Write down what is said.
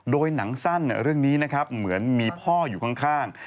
โดยหนังสั้นเรื่องนี้นะครับเหมือนมีพ่ออยู่ข้าง